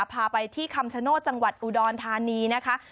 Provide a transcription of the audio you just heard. พาไปที่คำชโนธจังหวัดอุดรธานีนะคะ